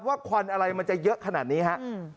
ควันอะไรมันจะเยอะขนาดนี้ฮะ